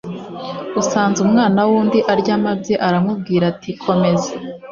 Usanze umwana w’undi arya amabyi aramubwira ati: komeza.